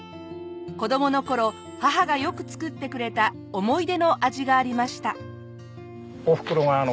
子供の頃母がよく作ってくれた思い出の味がありました。